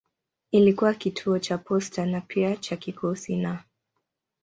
Ilikuwa kituo cha posta na pia cha kikosi na.